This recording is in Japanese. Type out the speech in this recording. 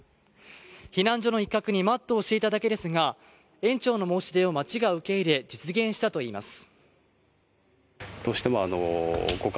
避難所の一角にマットを敷いただけですが園長の申し出を町が受け入れ、実現したといいます。